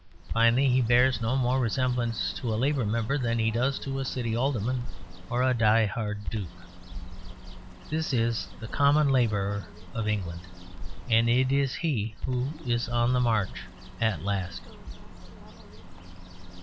Finally, he bears no more resemblance to a Labour Member than he does to a City Alderman or a Die Hard Duke. This is the Common Labourer of England; and it is he who is on the march at last.